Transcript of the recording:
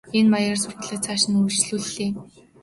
Энэ маягаар сургуулиа цааш нь үргэлжлүүллээ.